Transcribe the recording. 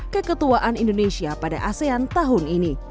keketuaan indonesia pada asean tahun ini